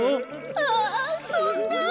ああそんな。